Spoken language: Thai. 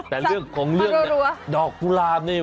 แต่เรื่องของเรื่องดอกกุหลาบนี่